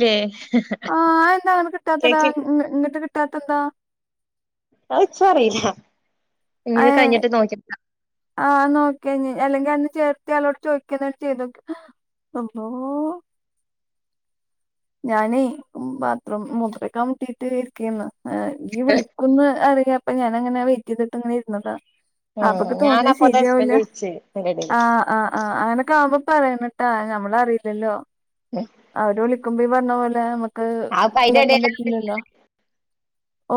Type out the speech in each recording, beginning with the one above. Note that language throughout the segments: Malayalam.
ല്ലേ ആ എന്താ അങ്ങനെ കിട്ടാത്തെത് കേക്ക് ഇങ്ങിട്ട് കിട്ടാത്തെന്താ അയ് ഇച്ച അറിയില്ല ഇഞ്ഞ് അയേ കഴിഞ്ഞിട്ട് നോക്കിയതാ ആ നോക്കിയ ന്ന് അല്ലെങ്കി അന്ന ചേർത്തിയാളോട് ചോദിക്കാറ്റൊ ചെയ്തോക്ക് അള്ളോ ഞാനേ ബാത്റൂം മുത്രയ്ക്കാ മുട്ടീട്ട് ഇരിക്കേന്ന് ഇച് വിളികുന് അറിയാംപ്പ ഞാന് അങ്ങനെ വെയിറ്റ് ചെയ്തിട്ട് ഇങ്ങനെ ഇരുന്നതാ ഉം അപ്പൊക്കെ തോന്നിയ ഞാനപ്പോത്തെ ഹസ്ബൻഡ് ശരിയാവില്ല വിളിച്ച് അയിന്റെ എടേല് ആഹ് ആ് ആഹ് അങ്ങനൊക്കെ ആവുമ്പ പറയുന്നട്ടാ ഞമ്മളറിയില്ലല്ലോ ഹെ അവര് വിളിക്കുമ്പോ ഈ പറഞ്ഞ പോലെ നമ്മക്ക് അത്പ്പ അയിന്റെ ഇതാക്കാൻ എടേലാ പറ്റില്ലല്ലോ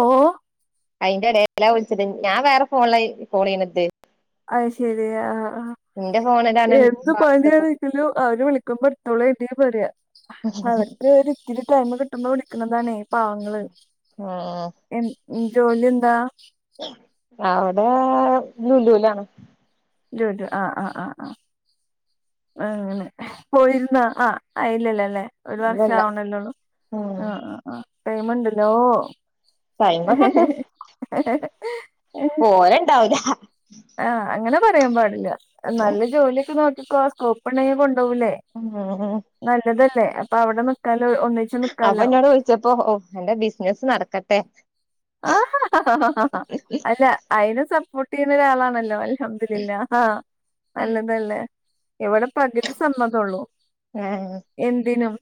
ഓഹ് ഓഹ് അയിന്റെ ഇടയലാ വിളിച്ചത് ഞാൻ വേറെ ഫോണിലായി കോൾ ചെയ്യണത് അഹ ശെരിയ ആഹ് ആഹ് ഇന്റെ ഫോണിലാണ് എന്ത് പണി വാട്സപ്പ് രിക്കലും അവര് വിളിക്കുമ്പോ അവള് എന്നെ പറയാ അവർക്ക് ഒരിത്തിരി ടൈം കിട്ടുന്ന വിളിക്കുന്നതാണേ പാവങ്ങള് ഉം എ ജോലി എന്താ അവിടെ ലുലൂലാണ് ലുലു ആഹ് ആഹ് ആഹ് ആ് അങ്ങനെ പോയിരുന്ന ആ ആയില്ലല്ലല്ലേ ഒരു വർഷം ഇവിടെല്ല ആവണ്ടല്ലോള്ളു ഉം ആഹ ആ് ആ ടൈമുണ്ടല്ലോ ഹെ ടൈമൊക്കെണ്ട് ഹെ ഹ് പോര്ണ്ടാവില്ല ആഹ അങ്ങനെ പറയാൻ പാടില്ല നല്ല ജോലിയൊക്കെ നോക്കിക്കോ സ്കോപ്പ് ഉണ്ടെങ്കി കൊണ്ടുപോകിലേ മം മം നല്ലതല്ലേ അപ്പൊ അവിടെ നിക്കാല ഒന്നിച് അപ്പൊ എന്നോട് വിളിച്ചപ്പോ ഓ എന്റെ ബിസിനസ്സ് നടക്കട്ടെ ആ ആഹ ആഹാ അല്ല അയിന് സപ്പോർട്ട് ചെയ്യുന്ന ഒരാളാണല്ലോ അല്ല അൽഹംദുലില്ലാ നല്ലതല്ലേ ഇവിടെ പകുതി സമ്മതംഉള്ളു ആഹഹ് എന്തിനും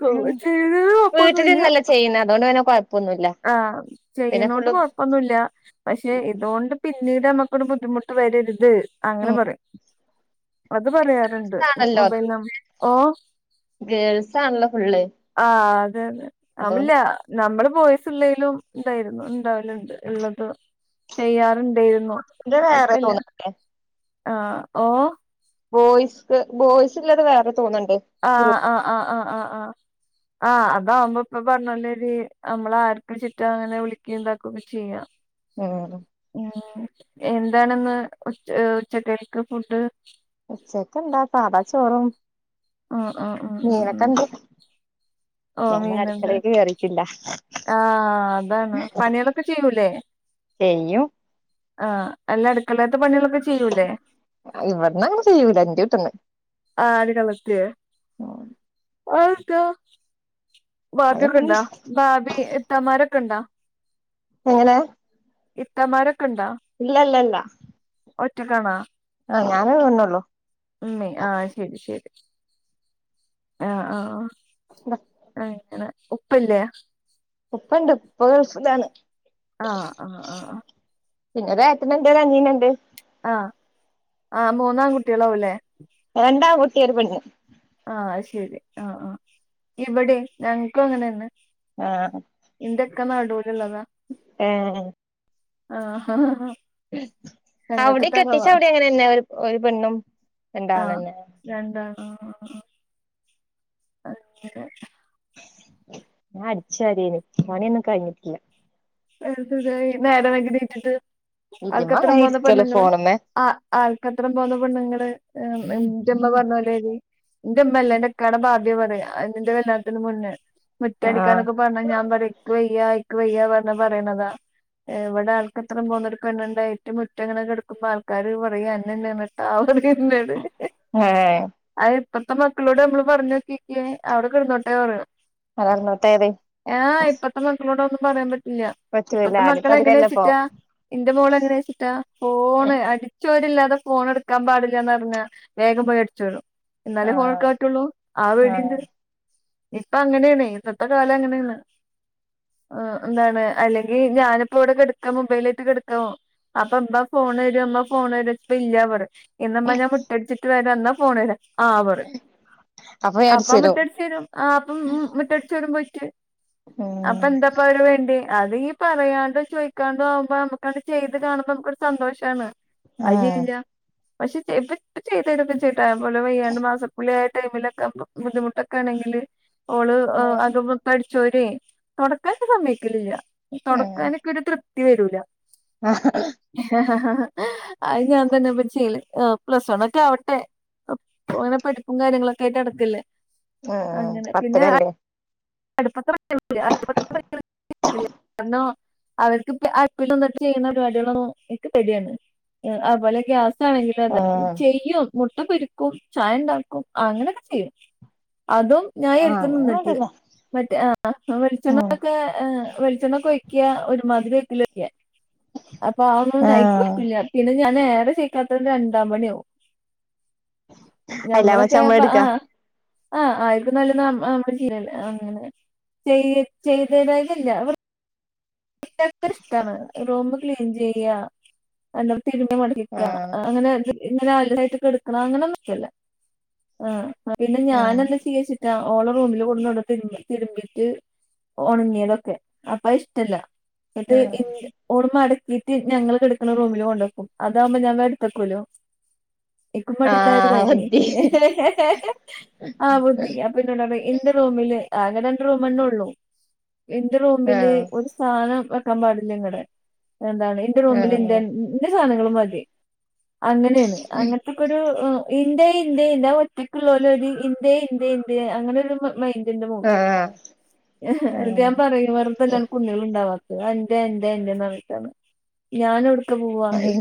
കോൾ ചേയ്യുന്നതിന് കുഴപ്പമില്ല പിന്ന അതുകൊണ്ട് പിന്നെകുഴപ്പൊന്നുമില്ല ആഹ് ചെയ്യുന്നോട്ട് കൊഴപ്പം കുഴപ്പൊന്നുമല്ല പക്ഷെ ഇതുകൊണ്ട് പിന്നീട് നമ്മക്കൊരു ബുദ്ധിമുട്ട് വരരുത് അങ്ങനെ ഉം പറയും അത് പറയാറുണ്ട് ഇതാണല്ലോ മൊബൈൽ നമ്പ ഓ ഗേൾസ് ആണല്ലോ ഫുള്ള് ആഹ അതന്നെ അതുകൊണ്ട് ആമില്ല നമ്മുടെ ബോയ്സ്ള്ളെലും ഇതായിരുന്നു ഉണ്ടാവലുണ്ട് ഉള്ളത് ചെയ്യാറുണ്ടായിരുന്നു ഇത് വേറെ ഇപ്പല്ല തോന്നണ്ടേ ആ ഓ ബോയ്സ് ബോയ്സ്ല്ലത് വേറെ തോന് ഉണ്ട് ആഹ ആഹ് ആഹ ആഹ് ആഹ് ആഹ ആഹ് അതാവുമ്പോ ഇപ്പൊ പറഞ്ഞല്ലേരി നമ്മള ആർക്കും ചുറ്റ അങ്ങനെ വിളിക്ക ഇന്താക്കുകൊക്കെ ചെയ്യാം മം മം ഉ ഉം എന്താണെന്ന് ഉച്ച ഉച്ചക്കരി ഫുഡ് ഉച്ചക് എന്താ സാധ ചോറും ആഹ് ആഹ് ആഹ് ഉം ഞങ്ങള് അടുക്കളേക്ക് കേറിട് ഇല്ല ആഹ അതാണ് പണികളൊക്കെ ചെയ്യൂല്ലേ ചെയ്യും ആഹ അല്ല അടുക്കളേത്ത പണികളൊക്കെ ചെയ്യൂല്ലേ ഇവിടന്ന അങ്ങനെ ചെയ്യൂല എന്റെവിട്ന്ന് ആഹ അടികലത്തിയോ ആത് ത്ത എങ്ങനെ ഭാബിയൊക്കെണ്ടാ ഭാബി ഇത്തമാരൊക്കെ ഉണ്ടാ എങ്ങനെ ഇത്തന്മാരൊക്കെ ഉണ്ടാ ഇല്ലല്ലല്ല ഒറ്റക്കാണാ ആഹ് ഞാനെ വന്നല്ലോ ഉം ആഹ് ശരി ശരി ആഹ് ആഹ് അങ്ങനെ ഉപ്പില്ലേ? ഉപ്പണ്ട് ഉപ്പ ഗൾഫിലാണ് ആഹ് ആഹ് ആഹ് ആഹ് പിന്നോരെട്ടനുണ്ട് ഒരനീനുണ്ട് ആഹ് ആ മൂന്നാംകുട്ടിളാവല്ലേ രണ്ടാങ്കുട്ടി ഒരുപെണ്ണ് ആഹ് അത്ശെരി ആഹ് ഇവിടിം ഞങ്ങക്കും അങ്ങനെന്ന് ആഹ് ഇന്റിക്ക നടൂലുള്ളതാ ഏഹ് ഏ ആഹ് ആഹ് അവടി കെട്ടിച്ചവടെ അങ്ങനെന്നെ ഒര് ഒരു പെണ്ണും രണ്ടാണെന്നെ രണ്ടാണോ ആഹ് ആഹ് അങ്ങനെ ഞാൻ അടിച്ചാരേന് പണി ഒന്നും കയിഞ്ഞിട്ടില്ല എന്ത് തെയി ഈ നേരവെഗ്ഗി നീറ്റ്ട്ട് ഇതിമ്മെ അവർക്ക്ത്രം അങ്ങനെ പോന്ന ഇരിക്കല് പെണ്ണുങ്ങള് ഫോണുമ്മേ ആഹ് ആൾക്കത്രം പോന്ന പെണ്ണ് ങ്ങള് ന്റെമ്മ പറഞ്ഞോലേരി എന്റെമ്മല്ല ന്റിക്കാടെ ബാബിയ പറയാ ന്റെ കല്ലാനത്തിന് മുന്നേ ആഹ് മറ്റടിക്കാനൊക്കെ പറഞ്ഞ ഞാപറി ക്ക് വയ്യ എക്ക് വയ്യാ പറഞ്ഞ പറയണതാ ഇവട ആൾക്കത്ര പോന്നൊരു പെണ്ണുണ്ടായിട്ടു മുറ്റങ്ങനെ കെടക്കുമ്പോ ആൾക്കാര് പറയും അന്നെ ന്നെണ് ആ വ് പിന്നാട് ഏഹ് അയ് പ്പത്തെ മക്കളോട് നമ്മള് പറഞ്ഞോക്കിക്കെ അവ്ടെ കിടന്നോട്ടേ പറിം അട കെടന്നോട്ടെ റിം ആഹ് ഇപ്പത്തെ മക്കളോട് അ ഒന്നും പറയാൻ പറ്റില്ല പറ്റൂല ഇപ്പത്തെ മക്കള ആദ്യത്തെ എങ്ങനെ അതിരല്ലപ്പോ ച്ചിറ്റാ ഇന്റെ മോള് എങ്ങനെ ച്ചിട്ടാ ഫോണ് അടിച്ചോരില്ലാതെ ഫോണ് ട്ക്കാൻ പാടില്ലന്ന് പറഞ്ഞ വേഗം പോയി അടിച്ചോള്ളു ന്നാലേ ആഹ് ഫോണെടുക്കാമ്പറ്റുള്ളൂ ആ ആഹ് പേടിണ്ട് ഇപ്പ അങ്ങനെണെയ് ഇപ്പത്തെ കാലങ്ങനെണെയ് എന്താണ് അല്ലെങ്കി ഞാനിപ്പോ വ്ടെ കെടുക്കാം മൊബൈലായിറ്റ് കെട്ക്കാവും അപ്പ ബ്ബ ഫോൺ രും മ്മ ഫോണര് പ്പല്ല്യ പറിം ഇന്നമ്മ ഞാൻ മുറ്റടിച്ചിട്ട് വര ന്നാ ഫോൺരാ ആ പറിം അപ്പൊ ഞാൻ അപ്പ അടിച്ചേരും മുട്ടടിച്ചു വരും ആഹ് അപ്പം ഉം മറ്റടിച്ചോരും പോയിട്ട് അപ്പൊ ഉം എന്താ യീ വേണ്ടി അതീ പറയാണ്ടി ചോയ്ക്കാണ്ടു ആവുമ്പോ നമുക്കങ്ങട്ട് ചെയ്ത് കാണുമ്പ നമുക്കൊരു സന്തോഷാണ് അയി ആഹ് ചെയ്യൂല്ല പക്ഷെ ചെയ്ട്ടപ്പ ചെയ്‌തോരോക്കെ ചെയ്യുട്ടാ തെ പോലെ വെയ്യാണ്ട് മാസക്കുളിആയിട്ട് ആ ടൈമിലൊക്കെ ബുദ്ധിമുട്ടൊക്കെ ആണെങ്കില് ഓള് അ ഉം അത്കൊക്കെ അടിച്ചോരി അത് പ്പ സമയ്ക്കലില്ല ഉം തുടക്കാനൊക്കെ ഒരു തൃപ്തി വരൂല [unintelligible] അത് ഞാൻ തന്നെപ്പൊ ചെയ്യല് ആ പ്ലസ് വണ്ണോക്കെ ആവട്ടെ ഇപ്പൊ ങ്ങനെ പഠിപ്പും കാര്യങ്ങളൊക്കെ ആയിട്ട് നടക്കല്ലേ ആഹ് ആഹ് പത്തിലല്ലേ [unintelligible] ഒന്നും അവർക്കിപ്പോ അടുപ്പില് നിന്നിട്ട് ചെയ്യുന്ന പരിപാടികളൊന്നും ഇക്ക് പേടിയാണ് ഏഹ് ആ പോലെ ഗ്യാസാണെങ്കിലും അതെ ഉം ചെയ്യും മുട്ട പൊരിക്കും ചായ ണ്ടാക്കും അങ്ങനൊക്കെ ചെയ്യും അതും ഞാൻ ആഹ് എടുത്ത് അങ്ങനെ നിന്നിട്ട് വേണ്ടില്ല മറ്റേ ആഹ് ആഹ് ഉം വെളിച്ചെണ്ണൊക്കെ ഏഹ് വെളിച്ചെണ്ണൊക്കൊയ്ക്കാ ഒരുമാതിരി ഓയിക്കലാ ഒയിക്കാ അപ്പൊ ആ ഒന്നും ആ ഇക്ക് ആഹ് വയിക്ക്കുല്ല പിന്നെ ഞാൻ ഏറെ ചക്കാത്തത് രണ്ടാം പണിയാവും അയിലാറെ മെച്ചം ഞമ്മളൊക്കെ നമ്മള് എടുക്കാ ആഹ് ആഹ് ആയ്ക്കും നല്ലത് ഞമ്മ ഞമ്മടെ ചീരല്ലെ അങ്ങനെ ചെയ് ചെയ്തേരായല്ല എന്തൊരു ഇഷ്ടാണ് റൂം ക്ലീൻ ചെയ്യുക അല്ല തിരുമ്പിയത് മടക്കുക കിട്ട ആഹ് അങ്ങനെ ഇങ്ങനെ അലമ്പായിട്ട് കെട്ക്കണ അങ്ങനൊന്നില്ലല്ലൊ ആഹ് പിന്നെ ഉം ഞാനെന്ത ചിയ്യ വച്ചിട്ട് ഓള റൂമില് കൊട്ന്ന്ടും തിരുമ്പ തിരുമ്പീട്ട് ഒണ്ങ്ങീതൊക്കെ അപ്പയ് ഇഷ്ടല്ല ഉം ഇന്ന്ട്ട് ഓള്മടക്കീട്ട് ഞങ്ങള് കെട്ക്ക്ണ റൂമില് കൊണ്ടക്കും അതാവുമ്പ ഞാൻ ഇട്ത്തക്കോലൊ ഇക്കും മടിണ്ടായൊരു ആഹ് കാര്യായി മതി ആഹ് ബുദ്ധി ഇപ്പന്നോട്റിം ഇന്റെ റൂമില് ആകെ രണ്ട് റൂമന്നൊള്ളു ഇന്റെ റൂമില് ആഹ് ഒര് സാ സാനം വെക്കാൻ പാടില്ല ഇങ്ങടെ എന്താണ് ഇന്റെ റൂമില് ആഹ് ഇന്റെ ഇന്റെ സാനങ്ങള് മതി അങ്ങനേണ് അങ്ങനെ ക്കൊര് ഏഹ് ഇന്റെ ഇന്റെ ഇന്റെ ഒറ്റക്ക്ള്ളോലൊര് ഇന്റേ ഇന്റേ ഇന്റേ അങ്ങനൊരു മൈൻ തിന്റ മോൾ ആഹ് എനിട്ട് ഞാൻ പറയും വെറുതെ അല്ല കുഞ്ഞുങ്ങൾ ഉണ്ടാ വത്തെ എന്റെ എന്റെ എന്റെന്നർഞിട്ടാണ് ഞാന് എവിട്ക്ക പോവാ എൻ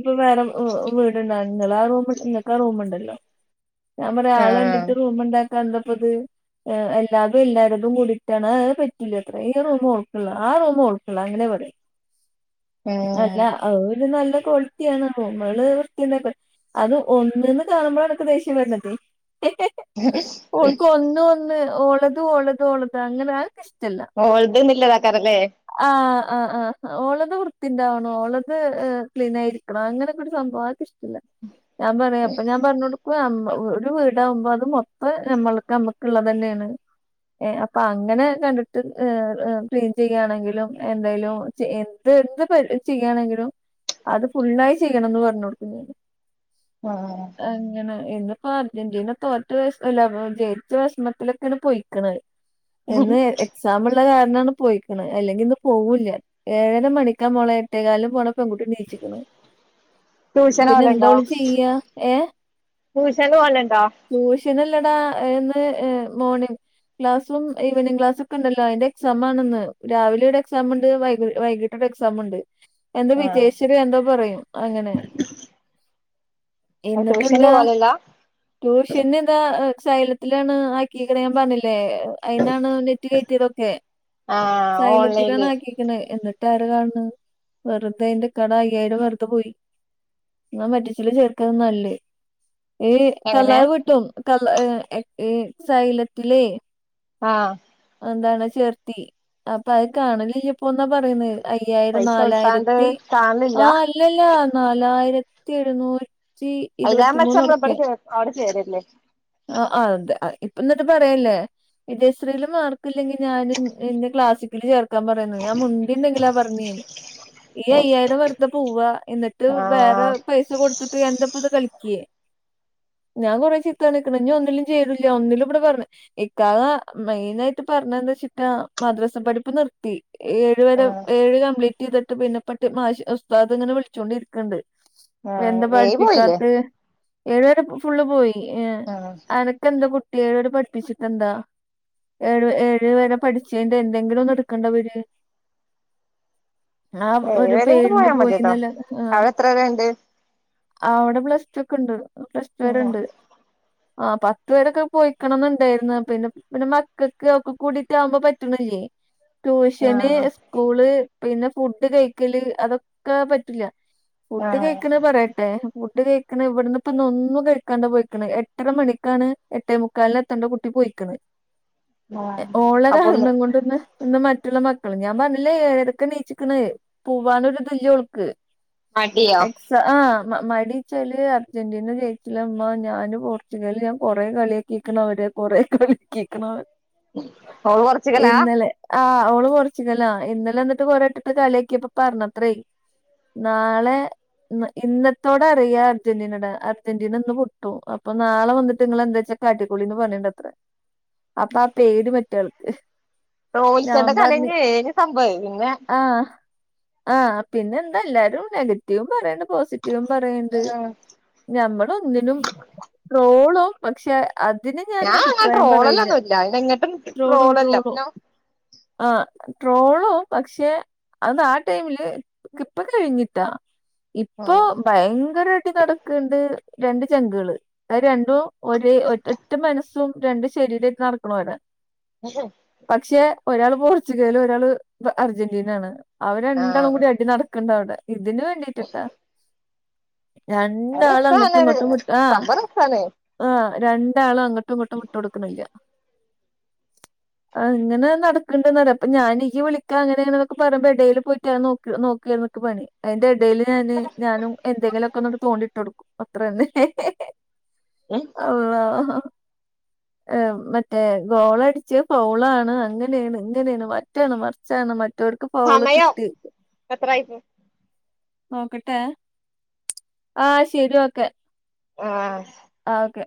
ഇപ്പ വേറെ ഊ ഊ വീട്ണ്ടൺ ആഹ് റൂമ് ഇങ്ങക്ക റൂമ്ണ്ടല്ലൊ ഞാ പറ ആഹ് ആളെണ്ണീട്ട് റൂമ്ണ്ടാക്ക ഇന്തപ്പത് എല്ലാതും എല്ലാരതും കൂടിട്ടാണ് ഏഹ് അത് പറ്റൂലത്രെ ഈ റൂമ് ഓൾക്ക്ള്ള ആഹ് റൂമ് ഓൾക്ക ക്കള അങ്ങനെ പറെ അല്ല ആഹ് അവ് ഒര് നല്ല ക്വാളിറ്റ്യാണ് ഞമ്മള് വൃത്തിണ്ടായപോരെ അത് ഒന്ന്ന്ന് കാണുമ്പഴാ എൻക്ക് ദേഷ്യം വര്ണതെ ഉം ഓൾക്ക് ഒന്ന് ഒന്ന് ഓളത് ഓളത് ഓളത് അങ്ങനെ അനക്ക് ഇഷ്ട്ടല്ല ഓൾത് ന്നില്ലതാക്കാരംലെ ആഹ് ആഹ് ആഹ് ഓളത് വൃത്തിണ്ടാവണംഓളത് ഏഹ് ക്ലീനായി അങ്ങനൊക്കൊരു സംഭവ അവ്ക്കിഷ്ട്ടല്ല ഞാൻ പറയ അപ്പൊ ഞാൻ പറഞ്ഞൊട്ക്കും അമ്മ ഒര് വീ വിടാവുമ്പ അത് മൊത്തം ഞമ്മൾക്ക് ഞമ്മക്ക്ള്ളതെന്നേണ് ഏഹ് അപ്പങ്ങനെ കണ്ട്ട്ട് ഏഹ് ഏഹ് ക്ലീൻ ചെയ്യാണെങ്കില് ലും എന്തയലും എന്ത് എന്ത് പര് ചെയ്യാണെങ്കിലും അത് ഫുള്ളായി ചെയ്യ്ണംന്ന് പറഞ്ഞൊട്ക്കും ഞാന് ആഹ് അങ്ങ്നെ ഇന്ന്പ്പൊ അർജെന്റീന തോറ്റ ദിവസല്ലെ ജയിച്ച വെഷമത്തിലൊക്കേണ് പൊയ്ക്ക്ണ് എന്ന് എക്സാമ്ള്ള കാര്ണാണ് പൊയ്ക്ക്ണെ അല്ലെങ്കി ഇന്ന് പോവൂല്ല ഏഴര മണിക്ക മോളെ എട്ടേകാലിന് പോണ പെൺകുട്ടി എണീക്കുന് ട്യൂഷന് പിന്നെന്താ പോവലുണ്ടോ ഓള് ചിയ്യാ ഏഹ് ട്യൂഷന് പോവലുണ്ടോ ട്യൂഷനല്ലടാ ഇന്ന് ഏഹ് മോണിംഗ് ക്ലാസും ഈവനിംഗ് ക്ലാസൊക്കണ്ടലൊ അയിന്റെ എക്സാമാണ്ന്ന് രാവിലെടെ എക്സാമ്ണ്ട് വൈകിട്ടൊരക്സാമ്ണ്ട് എന്ത ആഹ് വിജയശ്രി എന്തൊ പറയും അങ്ങനെ ട്യൂഷന് എന്നിട്ടെന്താ പോവലില്ല ട്യൂഷന്ന്താ ഏഹ് സൈലത്തിലാണ് ആക്കിക്ക്ണെ ഞാൻ പറഞ്ഞ്ലെ അയ്ന്നാണ് നെറ്റ് കേറ്റിതൊക്കെ. ആഹ് സൈലത്ത്ലാണ് ഓൺലൈനില് ആക്കി ക്ക്ണ് എന്നിട്ട് ആര കാൺണെ വെറ്തെ എന്റെ കട അയ്യായ്രം വെറ്തെ പോയി ഇന്ന മറ്റ്ച്ചില് ചേർക്ക ന്നല്ല് ഏഹ് എങ്ങനെ കളാഹ് വീട്ടും കള ഏഹ് സൈലത്ത്ലെ ആഹ് എന്താണ് ചേർത്തി അപ്പ അത് കാൺലല്ലപ്പോന്ന പറീണ് അയ്യായ്രം പൈസ കൊടുത്താണ്ട് നാലായിരത്തി കാൺലില്ല ആഹ് അല്ലല്ലാ നാലായിരത്തി എഴ്ന്നൂറ്റി ച്ചി അയിലാറെ മെച്ചം നമ്മള് ഇബടെ ഇരുപത്തിമൂന്ന്ർപ്പ്യെ ചേ അവിടെ ചേരല്ലേ ആഹ് അതെ അതെ ഇപ്പ ഇന്ന്ട്ട് പറയല്ലെ വിജയശ്രീല് മാർക്കില്ലെങ്കി ഞാന് എന്നെ ക്ലാസിക്കല് ചേർക്കാം പറയ്ന്ന് ഞാൻ മുണ്ടുണ്ടെങ്കില ആഹ് പറ്ഞ്ഞീന്ന് ഈ അയ്യായ്രം വെറുത പോവ എന്ന്ട്ട് വേറെ ആഹ് പൈസ കൊട്ത്ത്ട്ട് എന്തപ്പത് കളിക്കെ ഞാ കൊറെ ചിത്ത പർഞ്ക്ണ് ഞിഒന്നിലും ചേരൂല്ല ഒന്നിലും ഇവടെ പറ്ഞ്ഞെ ഇക്കാക്ക മെയ്നായ്റ്റ് പറഞ്ഞെന്തച്ചിട്ടാ മദ്രസ പഠിപ്പ് നിർത്തി ഏഴ് വരെ ആഹ് ഏഴ് കംപ്ലീറ്റ് ചെയ്തിട്ട് പിന്നെ പട്ട് മാഷി ഉസ്താദ ഇങ്ങനെ വിളിച്ചൊണ്ടിരിക്കണ്ട് ആഹ് എന്താ ഏഴ് പോയില്ലേ പഠിപ്പിക്കാത്ത ഏഴരെ ഫുള്ള് പോയി ഏ ആഹ് അനക്ക് എന്താ കുട്ടി ഏഴ വരെ പഠിപ്പിച്ചിട്ട എന്താ ഏഴു ഏഴ് വരെ പടി ച്ചിയാണ്ട് എന്തെങ്കിലും ഒന്ന് എടുക്കണ്ട വര് ആ ഏഴ് ഒരു വരെങ്കിലും പേരിന് പോയാ പോയി മതിട്ടോ നല്ല ആഹ് അവിടെ എത്ര വരെ ഇണ്ട് ആ അവിടെ പ്ലസ് ടു ഒക്കെ ഇണ്ട് പ്ലസ് ടു ആഹ് വരെണ്ട് ആ പത്ത് വരെ പോയിക്കണന്നുണ്ടായിരുന്നു പിന്നെ പിന്നെ മക്കൾക്ക് ഒക്കെ കൂടിട്ടാവുമ്പോ പ ട്ടിണില്ലേ ടൂഷന് ആഹ് സ്കൂള് പിന്നെ ഫുഡ് കഴിക്കല് അതൊക്കെ പറ്റില്ല ഫുഡ് കഴിക്ണ പറയണ്ടെ ഫുഡ് കഴിക്കണ് ഇവിടന്ന് ഇപ്പ ഒന്നു കഴിക്കാണ്ട് പോയിക്കുന്ന എട്ടര മണിക്കാണ് എട്ടേ മുക്കാലന് എത്തേണ്ട കുട്ടി പോയിക്കുണത് ആഹ് ഓളക അപ്പൊന്ന് ങ്ങോട്ട്ന്ന് മറ്റുള്ള മക്കള് ഞാൻ പറഞ്ഞില്ലേ ഏഴരക്ക് നീച്ചിക്കണ് പോവാനൊരുതില്ല ഒൾക്ക് അടിയോ ആഹ് മടിച്ചാല് അർജന്റീന ജയിച്ചില്ലമ്മ ഞാന് പോർച്ചുഗൽ ഞാൻ കൊറെ കളിയ ക്കണ അവര് കൊറെ കളിക്കണവ ഓളു കൊ ഇന്നലെ ആഹ് ഒള് പോർച്ചികല ഇന്നലെ എന്നിട്ട് കൊറെ ഇട്ടിട്ട് കളിയക്കിയപ്പ പറഞ്ഞത്രേ നാളെ ഇന്നത്തോടെ അറിയാ അർജന്റീനയുടെ അർജന്റീന ഇന്ന് പൊട്ടു അപ്പൊ നാളെ വന്നിട്ട്ങ്ങള് എന്താച്ച ചാട്ടിക്കുളിന്ന് പറഞ്ഞിണ്ട്ത്ര അപ്പൊ ആ പേര് മറ്റയാൾക്ക് തോൽക്കേണ്ട കളിഞ്ഞ ഏ സംഭവ പിന്നെ ആ ആഹ് പിന്നെ എന്താ എല്ലാരും നെഗറ്റീവും പറയണ്ട് പോസിറ്റീവു പറയണ്ട് ഉം ഞമ്മള ഒന്നിനും റോളോ പക്ഷെ അതിന് ഞാൻ അങ്ങനെ അഭിപ്രായം പറയില്ല ട്രോളലൊന്നും ഇല്ല അയിനെങ്ങട്ടും ട്രോളോ ട്രോളല്ല പിന്നെ ആ ട്രോളും പക്ഷെ അത് ആ ടൈമില് ഇപ്പ കഴിഞ്ഞിട്ടാ ഇപ്പോ ഉം ഭയങ്കരട്ട ചടക്കണ്ട് രണ്ട് ചങ്കുകള് അ രണ്ട് ഒരേ ഒ ഒറ്റ മനസ്സും രണ്ട ശരീരമായിട്ട് നടക്കണോരാ [unintelligible] പക്ഷെ ഒരാൾ പോർച്ചുഗല് ഒരാൾ അർജന്റീനയാണ് അവര് രണ്ടാളും ആഹ് കൂടി അടി നട ക്കണ്ടവടെ ഇതിന് വേണ്ടീട്ടിട്ടാ അത് രണ്ടാളും അങ്ങോട്ടും രസാണ് ഇങ്ങോട്ടും വിട്ടാ സംഭവം രസാണ് ആ രണ്ടാളും അങ്ങോട്ടും ഇങ്ങോട്ടും വിട്ട് കൊടുക്കുന്നില്ല അങ്ങനെ നടക്കണ്ടന്ന അപ്പൊ ഞാനീ ഈ വിളിക്കാ അങ്ങനെ അങ്ങനെൊക്കെ പറുമ്പോ ഇടയിൽ പോയിട്ടാ നോ നോക്കിക്കെ പണി അതിന്റെ ഇടയില് ഞാന് ഞാനും എന്തെങ്കിലൊക്കെ തോണ്ടിട്ട് കൊടുക്കും അത്രന്നെ ഏഹ് ള്ള ആഹ് മറ്റേ ഗോളടിച്ചു പൗളാണ് അങ്ങനെയാണ് ഇങ്ങനെയാണ് വറ്റാണ് മറച്ചാണ് ഇറ്റർക്ക് ഫൗള് സമയം കിട്ടി എത്രായിപ്പോ നോക്കട്ടെ ആഹ് ശരി ക്കെ ആഹ് ആ ഓക്കെ